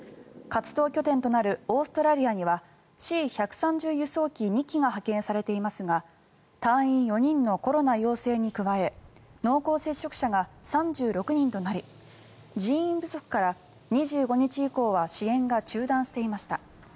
活動拠点となるオーストラリアにはＣ１３０輸送機２機が派遣されていますが隊員４人のコロナ陽性に加え濃厚接触者が３６人となり人員不足から２５日以降は支援が中断していました。